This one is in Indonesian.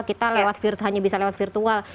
kita hanya bisa lewat virtual